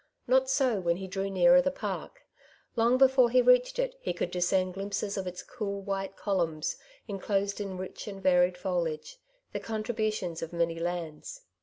Not so when he drew nearer the Park. Long before he reached it he could discern glimpses of its cool white columns, enclosed in rich and varied foliage, the contributions of many lands.